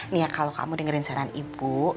nih ya kalau kamu dengerin saran ibu